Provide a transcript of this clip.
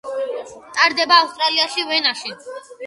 ტარდება ავსტრიაში, ვენაში.